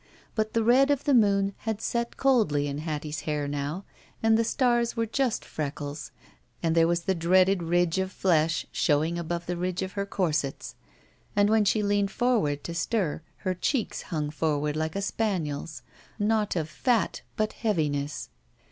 But the red of the moon had set coldly in Hattie's hair now, and the stars were just freckles, and there was the dreaded ridge of flesh showing above the ridge of her corsets, and when she leaned forward to stir her cheeks hung forward like a spaniel's, not of fat, but heaviness.